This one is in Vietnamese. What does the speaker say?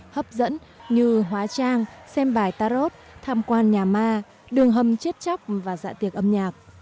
hấp dẫn như hóa trang xem bài tarot tham quan nhà ma đường hầm chết chóc và dạ tiệc âm nhạc